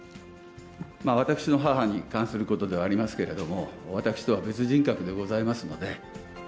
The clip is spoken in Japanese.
私の母に関することではありますけれども、私とは別人格でございますので。